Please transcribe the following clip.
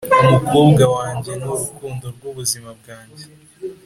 umukobwa wanjye ni urukundo rw'ubuzima bwanjye